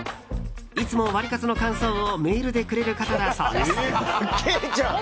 いつもワリカツの感想をメールでくれる方だそうです。